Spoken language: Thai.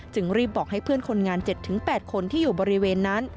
รีบบอกให้เพื่อนคนงาน๗๘คนที่อยู่บริเวณนั้น